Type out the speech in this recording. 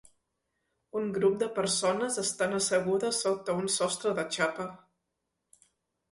Un grup de persones estan assegudes sota un sostre de xapa.